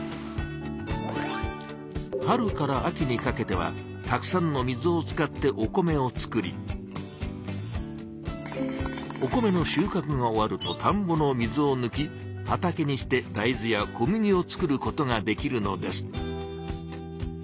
春から秋にかけてはたくさんの水を使ってお米を作りお米のしゅうかくが終わるとたんぼの水をぬき畑にして大豆や小麦を作ることができるのです。